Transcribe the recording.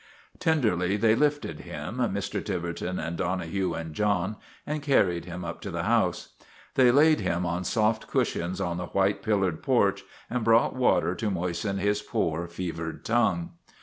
Tenderly they lifted him, Mr. Tiverton and Dono hue and John, and carried him up to the house. They laid him on soft cushions on the white pillared 154 STRIKE AT TIVERTON MANOR porch and brought water to moisten his poor, fevered tongue.